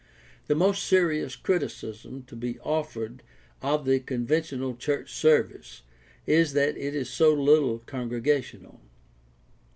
The most serious criticism to be offered of the conven tional church service is that it is so little congregational.